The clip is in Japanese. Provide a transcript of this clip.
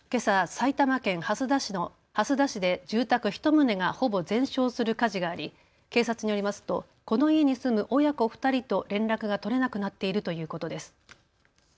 埼玉県蓮田市で住宅１棟がほぼ全焼する火事があり警察によりますとこの家に住む親子２人と連絡が取れなくなっているということです。